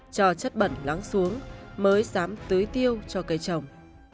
cho chất bẩn lắng xuống mới dám tưới tiêu cho cây trồng